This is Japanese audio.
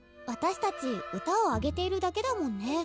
「私たち歌を上げているだけだもんね」。